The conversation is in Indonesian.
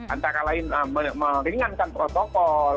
antara lain meringankan protokol